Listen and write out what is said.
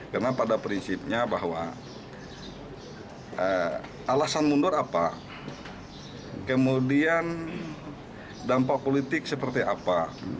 karena pada prinsipnya bahwa alasan mundur apa kemudian dampak politik seperti apa